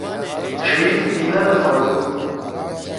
ڇھی پیِنل ہودُو۔